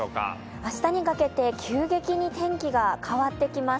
明日にかけて急激に天気が変わってきます。